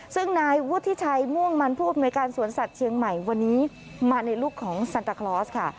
ซึ่งนายวุฒิชัยม่วงมันผู้อำนวยการสวนสัตว์เชียงใหม่วันนี้มาในลูกของซันตาคลอสค่ะ